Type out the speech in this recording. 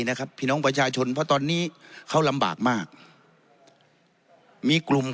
นะครับพี่น้องประชาชนเพราะตอนนี้เขาลำบากมากมีกลุ่ม